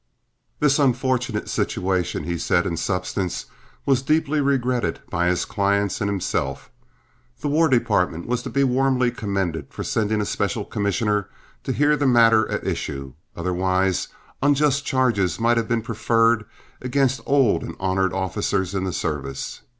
This unfortunate situation, he said, in substance, was deeply regretted by his clients and himself. The War Department was to be warmly commended for sending a special commissioner to hear the matter at issue, otherwise unjust charges might have been preferred against old and honored officers in the service.